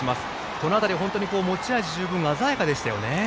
この辺り、本当に持ち味十分で鮮やかでしたね。